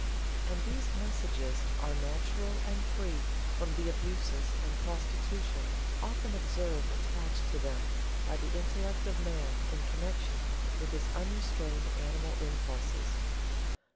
And these messages are natural and free from the abuses and prostitution often observed attached to them by the intellect of man in connection with his unrestrained animal impulses.